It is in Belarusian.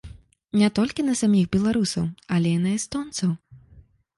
Не толькі на саміх беларусаў, але і на эстонцаў.